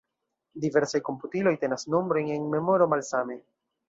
Diversaj komputiloj tenas nombrojn en memoro malsame.